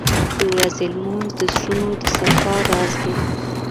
• د ورځې لمونځ د زړونو د صفا راز دی.